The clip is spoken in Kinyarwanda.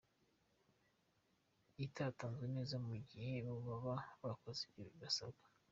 itatanzwe neza mu gihe bo baba bakoze ibyo basabwa.